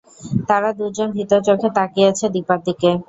তারা দু জন ভীত চোখে তাকিয়ে আছে দিপার দিকে।